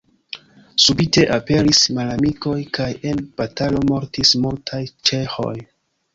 Subite aperis malamikoj kaj en batalo mortis multaj ĉeĥoj.